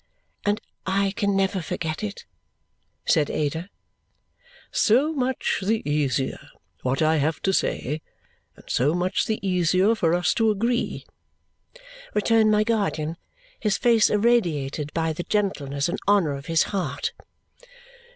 "And I can never forget it," said Ada. "So much the easier what I have to say, and so much the easier for us to agree," returned my guardian, his face irradiated by the gentleness and honour of his heart.